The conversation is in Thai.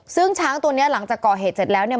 ซึ่งช้างตัวนี้หลังจากก่อเหตุเสร็จแล้วเนี่ย